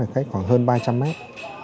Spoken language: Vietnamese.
khoảng hơn ba trăm linh mét